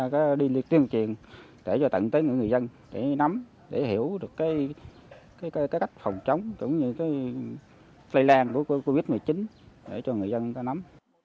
giống như cái lây lan của covid một mươi chín để cho người dân ta nắm